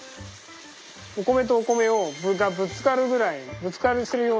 お米とお米がぶつかるぐらいぶつかるするようにしてといでく。